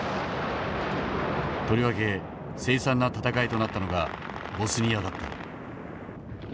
とりわけ凄惨な戦いとなったのがボスニアだった。